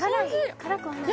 辛くはない？